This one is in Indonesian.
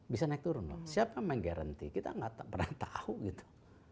bisa naik turun lho siapa yang menggaranti kita gak pernah tahu gitu